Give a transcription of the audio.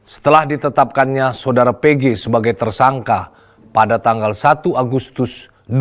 setelah ditetapkannya saudara pg sebagai tersangka pada tanggal satu agustus dua ribu dua puluh